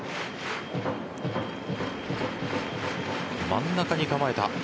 真ん中に構えた。